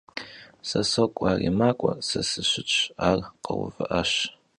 Se sok'ue — ari mak'ue; se sışıtş, ar kheuvı'aş.